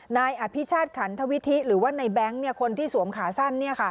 นายอภิชาติขันทวิทิหรือว่าในแบงค์คนที่สวมขาสั้น